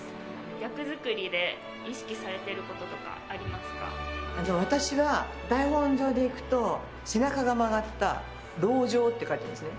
役作りで意識されてることと私は台本上でいくと、背中が曲がった老嬢って書いてあるんですね。